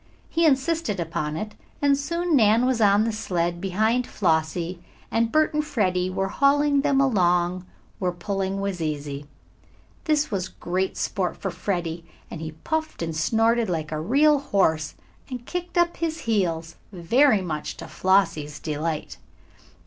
He insisted upon it, and soon Nan was on the sled behind Flossie, and Bert and Freddie were hauling them along where pulling was easy. This was great sport for Freddie, and he puffed and snorted like a real horse, and kicked up his heels, very much to Flossie's delight.